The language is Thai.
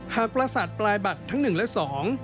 ประสาทปลายบัตรทั้งหนึ่งและสอง